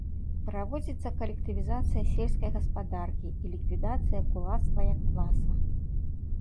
Праводзіцца калектывізацыя сельскай гаспадаркі і ліквідацыя кулацтва як класа.